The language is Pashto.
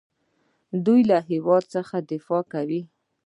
دوی له هیواد څخه دفاع کوي.